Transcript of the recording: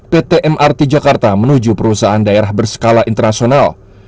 pt mrt jakarta menuju perusahaan daerah berskala internasional